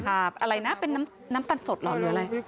อะไรนะเป็นน้ำตาลสดเหรอหรืออะไร